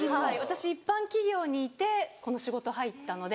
私一般企業にいてこの仕事入ったので。